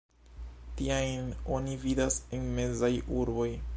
Tiajn oni vidas en mezaj urboj.